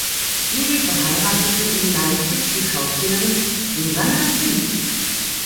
Neefe heiratete in Leipzig die Schauspielerin Susanna Zinck.